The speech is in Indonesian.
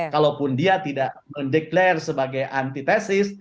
kalaupun dia tidak mendeklarasi sebagai antitesis